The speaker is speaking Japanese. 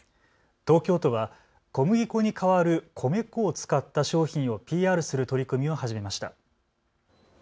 東京都は小麦粉に代わる米粉を使った商品をＰＲする取り組みを始めました。